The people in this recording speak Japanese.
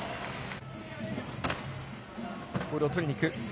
ボールを取りにいく。